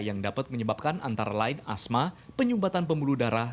yang dapat menyebabkan antara lain asma penyumbatan pembuluh darah